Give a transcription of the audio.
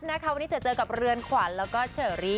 วันนี้จะเจอกับเรือนขวัญเฉอรี่